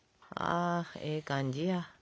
あええ感じや。